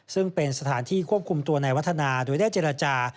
ซึ่งเป็นสถานที่ควบคุมตัวในวัฒนาโดยได้เจรจา